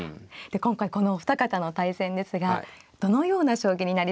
で今回このお二方の対戦ですがどのような将棋になりそうでしょうか。